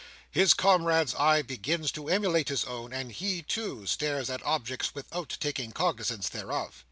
His comrade's eye begins to emulate his own, and he, too, stares at objects without taking cognizance thereof.